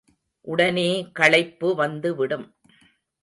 உடனே களைப்பு வந்து விடும்.